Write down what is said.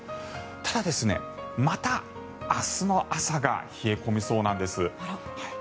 ただ、また明日の朝が冷え込みそうなんです。